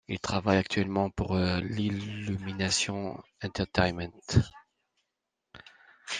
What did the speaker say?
Il travaille actuellement pour l'Illumination Entertainment.